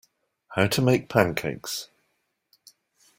How to make pancakes.